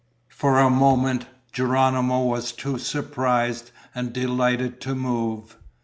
For a moment Geronimo was too surprised and delighted to move.